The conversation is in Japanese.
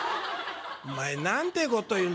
「お前なんてことを言うんだ。